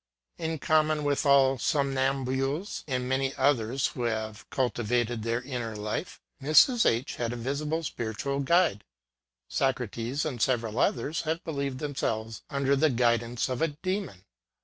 In common with all somnambules, and many others who have cultivated their inner life, Mrs. H had a visible spiritual guide. Socrates, and several others, have believed themselves under the guidance of a demon.